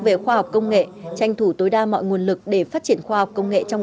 về khoa học công nghệ tranh thủ tối đa mọi nguồn lực để phát triển khoa học công nghệ trong